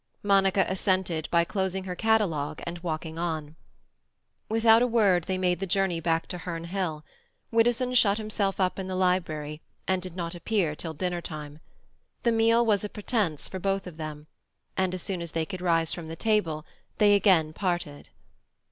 Monica assented by closing her catalogue and walking on. Without a word, they made the journey back to Herne Hill. Widdowson shut himself in the library, and did not appear till dinner time. The meal was a pretence for both of them, and as soon as they could rise from the table they again parted.